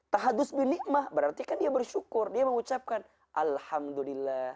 tahadud binikmah berarti kan dia bersyukur dia mengucapkan alhamdulillah